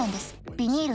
ビニール